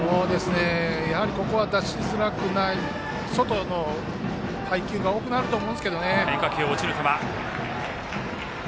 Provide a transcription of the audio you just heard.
やはりここは出しづらくなって外の配球が多くなると思いますね。